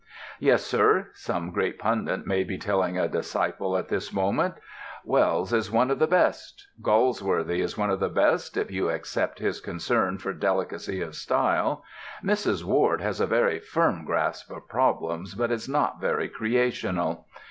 "Yes, Sir," some great pundit may be telling a disciple at this moment, "Wells is one of the best. Galsworthy is one of the best, if you except his concern for delicacy of style. Mrs. Ward has a very firm grasp of problems, but is not very creational.